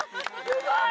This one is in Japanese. すごい！